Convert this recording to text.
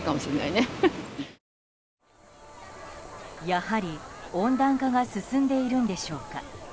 やはり温暖化が進んでいるんでしょうか。